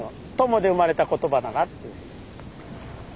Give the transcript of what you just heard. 鞆で生まれた言葉だなって。